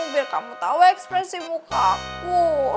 biar kamu tahu ekspresi muka aku